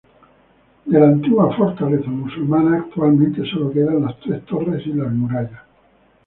De la antigua fortaleza musulmana actualmente sólo quedan las tres torres y las murallas.